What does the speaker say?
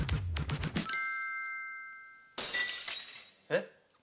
えっ？